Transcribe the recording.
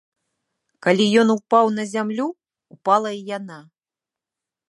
Калі ён упаў на зямлю, упала і яна.